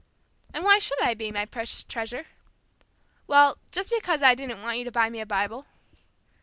"And why should I be, my precious treasure?" "Well, just because I didn't want you to buy me a Bible."